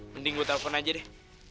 mending gue telepon aja deh